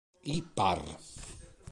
I par.